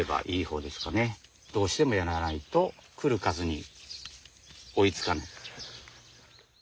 どうしてもやらないと来る数に追いつかない。